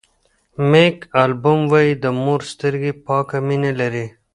مېک البوم وایي د مور سترګې پاکه مینه لري.